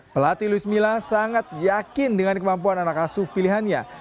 pelatih luis mila sangat yakin dengan kemampuan anak asuh pilihannya